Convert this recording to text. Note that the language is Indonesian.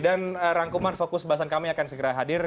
rangkuman fokus bahasan kami akan segera hadir